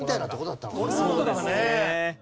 そうですね。